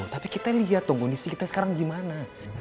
tapi kita lihat tuh kondisi kita sekarang gimana